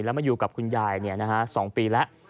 แล้วมาอยู่กับคุณยาย๒ปีแล้ว